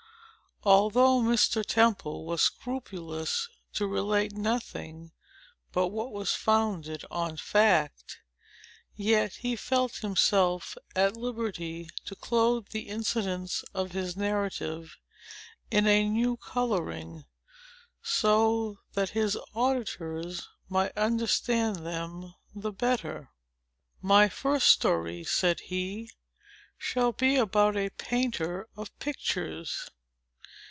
Although Mr. Temple was scrupulous to relate nothing but what was founded on fact, yet he felt himself at liberty to clothe the incidents of his narrative in a new coloring, so that his auditors might understand them the better. "My first story," said he, "shall be about a painter of pictures."